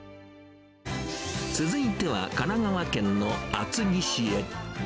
続いては神奈川県の厚木市へ。